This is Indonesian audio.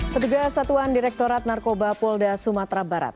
petugas satuan direktorat narkoba polda sumatera barat